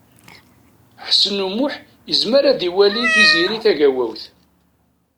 Ḥsen U Muḥ yezmer ad iwali Tiziri Tagawawt.